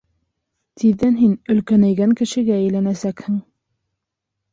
Тиҙҙән һин өлкәнәйгән кешегә әйләнәсәкһең.